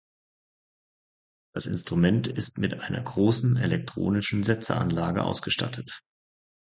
Das Instrument ist mit einer großen elektronischen Setzeranlage ausgestattet.